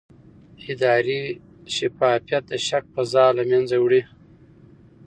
اداري شفافیت د شک فضا له منځه وړي